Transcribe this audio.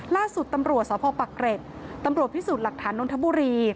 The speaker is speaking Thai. ล่าสุดตำรวจสพปักเกร็ดตำรวจพิสูจน์หลักฐานนนทบุรี